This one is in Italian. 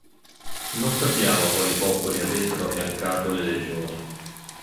Non sappiamo quali popoli avessero affiancato le legioni.